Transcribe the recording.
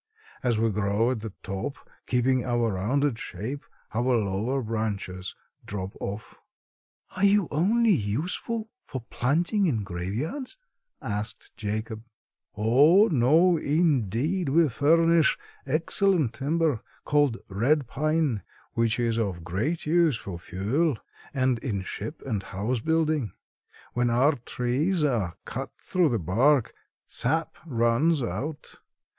As we grow at the top, keeping our rounded shape, our lower branches drop off." "Are you only useful for planting in graveyards?" asked Jacob. "Oh, no, indeed! We furnish excellent timber, called red pine, which is of great use for fuel and in ship and house building. When our trees are cut through the bark, sap runs out.